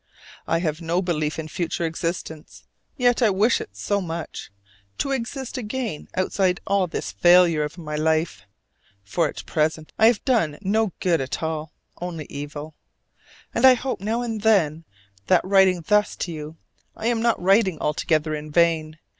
I have no belief in future existence; yet I wish it so much to exist again outside all this failure of my life. For at present I have done you no good at all, only evil. And I hope now and then, that writing thus to you I am not writing altogether in vain.